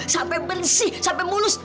sampai bersih sampai mulus